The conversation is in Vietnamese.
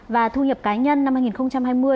và thu nhập cá nhân năm hai nghìn hai mươi